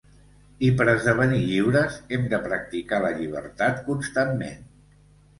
I per esdevenir lliures hem de practicar la llibertat constantment.